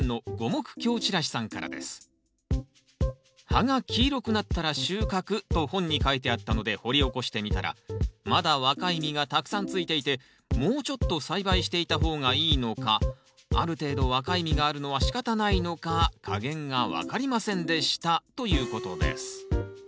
「葉が黄色くなったら収穫と本に書いてあったので掘り起こしてみたらまだ若い実がたくさんついていてもうちょっと栽培していた方がいいのかある程度若い実があるのはしかたないのか加減が分かりませんでした」ということです